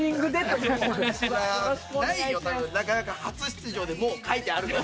なかなか初出場でもう書いてあるの。